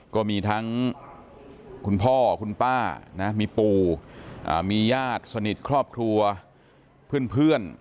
ก็มีทั้งคุณพ่อคุณป้านะมีปู่มีญาติสนิทครอบครัวเพื่อน